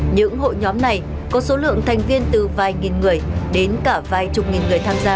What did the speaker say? những hội nhóm này có số lượng thành viên từ vài nghìn người đến cả vài chục nghìn